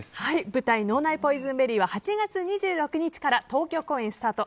舞台「脳内ポイズンベリー」は８月２６日から東京公演スタート